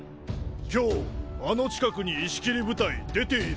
今日あの近くに石切り部隊出ている。